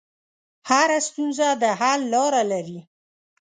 هره ستونزه د حل لاره لري.